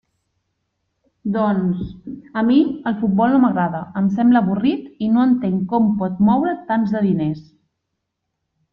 Doncs, a mi, el futbol no m'agrada; em sembla avorrit, i no entenc com pot moure tants de diners.